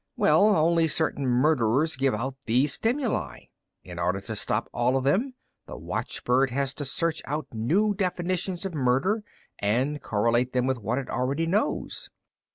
Well, only certain murderers give out these stimuli. In order to stop all of them, the watchbird has to search out new definitions of murder and correlate them with what it already knows."